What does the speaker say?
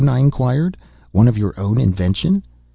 I inquired—"one of your own invention?"